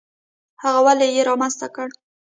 هغه ولې یې رامنځته کړه؟